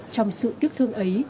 trong sự tiếc thương ấy